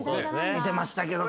見てましたけど。